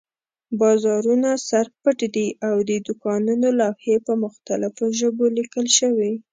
بازارونه سر پټ دي او د دوکانونو لوحې په مختلفو ژبو لیکل شوي.